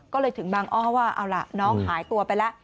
ก็เลยถึงบางอ้อว่าเอาล่ะน้องหายตัวไปแล้ว